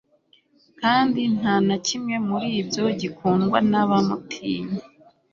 kandi nta na kimwe muri byo gikundwa n'abamutinya